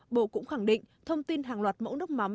bộ cũng khẳng định thông tin hàng loạt mẫu nước mắm